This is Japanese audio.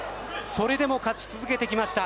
それでも勝ち続けてきました。